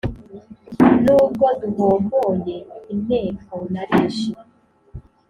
N'ubwo duhomboye inteko narishe !"